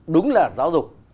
đúng là giáo dục